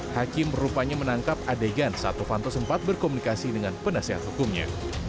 hakim rupanya menangkap adegan saat novanto sempat berkomunikasi dengan penasehat hukumnya